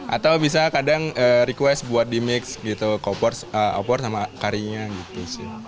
atau bisa kadang request buat di mix gitu opor sama karinya gitu sih